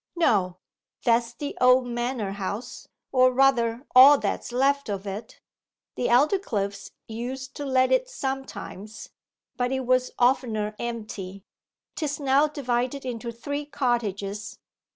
'No; that's the old manor house or rather all that's left of it. The Aldycliffes used to let it sometimes, but it was oftener empty. 'Tis now divided into three cottages.